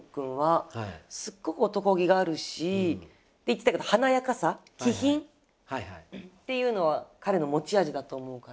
すっごく男気があるしで言ってたけど華やかさ気品っていうのは彼の持ち味だと思うから。